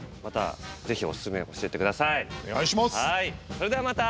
それではまた！